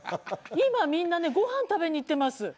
今みんなねごはん食べに行ってます。